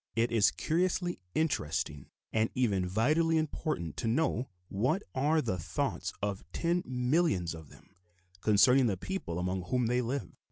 It is curiously interesting and even vitally important to know what are the thoughts of ten millions of them concerning the people among whom they live.